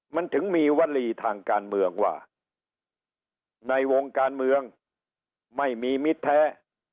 มันถึงมีวลีทางการเมืองว่าในวงการเมืองไม่มีมิตรแท้